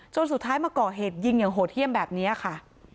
สุดท้ายมาก่อเหตุยิงอย่างโหดเยี่ยมแบบนี้ค่ะ